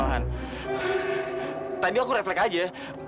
amira kamu kerepotan ya